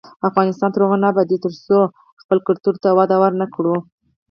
افغانستان تر هغو نه ابادیږي، ترڅو خپل کلتور ته وده ورنکړو.